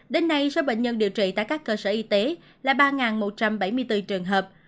đến nay số bệnh nhân điều trị tại các cơ sở y tế là ba một trăm bảy mươi bốn trường hợp